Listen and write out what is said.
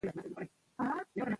پاک لاسونه د ناروغیو مخه نیسي.